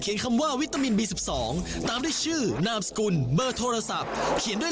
จะเป็นใครจะได้ลุ้นกันต่อไปนี้